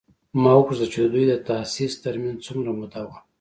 ما وپوښتل چې د دوی د تاسیس تر منځ څومره موده وه؟